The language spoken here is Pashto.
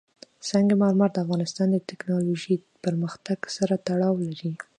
سنگ مرمر د افغانستان د تکنالوژۍ پرمختګ سره تړاو لري.